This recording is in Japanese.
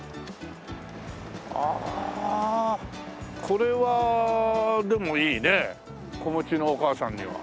これはでもいいね子持ちのお母さんには。